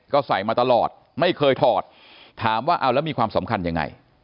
ก็ใส่มาตลอดไม่เคยถอดถามว่าเอาแล้วมีความสำคัญยังไง